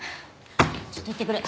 ちょっと行ってくる。